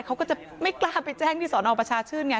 เขาก็จะไม่กล้าไปแจ้งที่สอนอประชาชื่นไง